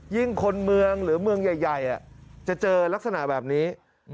คนเมืองหรือเมืองใหญ่จะเจอลักษณะแบบนี้